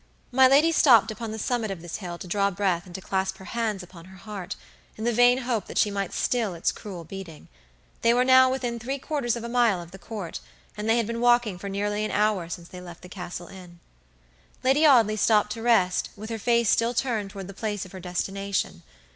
My lady stopped upon the summit of this hill to draw breath and to clasp her hands upon her heart, in the vain hope that she might still its cruel beating. They were now within three quarters of a mile of the Court, and they had been walking for nearly an hour since they had left the Castle Inn. Lady Audley stopped to rest, with her face still turned toward the place of her destination.